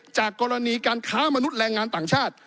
จากกรณีการค้ามนุษย์แรงงานต่างชาติ